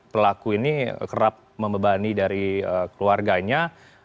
pelaku ini kerap membebani dari keluarganya